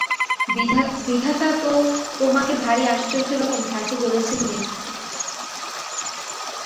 বিধাতা তো তোমাকে ভারি আশ্চর্য রকম ছাঁচে গড়েছেন দেখছি।